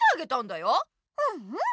うんうん。